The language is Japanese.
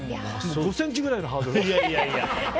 ５ｃｍくらいのハードル。